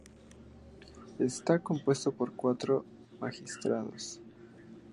Está compuesta por cuatro magistrados.